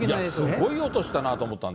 すごい音したなと思って。